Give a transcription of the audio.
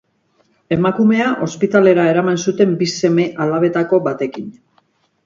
Emakumea ospitalera eraman zuten bi seme-alabetako batekin.